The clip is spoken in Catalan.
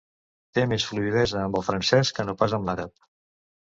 Té més fluïdesa amb el francès que no pas amb l'àrab.